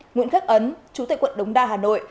nguyễn khắc ấn chú tệ quận đống đa hà nội